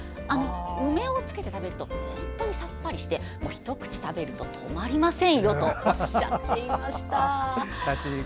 梅をつけて食べると本当にさっぱりして一口食べると止まりませんよとおっしゃっていました。